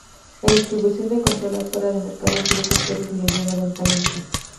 La distribución de consolas fuera de mercados grises fue disminuyendo lentamente.